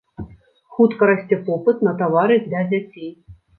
Хутка расце попыт на тавары для дзяцей.